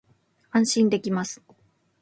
安心できます